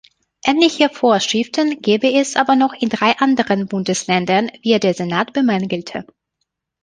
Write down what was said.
Ähnliche Vorschriften gebe es aber noch in drei anderen Bundesländern, wie der Senat bemängelte.